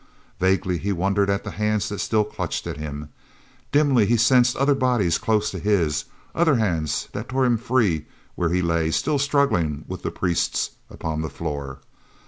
Vaguely he wondered at the hands that still clutched at him. Dimly he sensed other bodies close to his, other hands that tore him free where he lay, still struggling with the priests, upon the floor.